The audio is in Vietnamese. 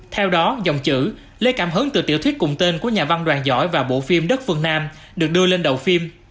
theo đó dòng chữ lấy cảm hứng từ tiểu thuyết cùng tên của nhà văn đoàn giỏi và bộ phim đất phương nam được đưa lên đầu phim